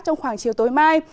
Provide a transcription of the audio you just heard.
trong khoảng chiều tối mai